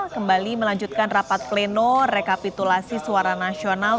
kembali melanjutkan rapat pleno rekapitulasi suara nasional